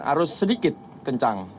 harus sedikit kencang